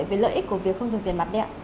về lợi ích của việc không dùng tiền mặt đấy ạ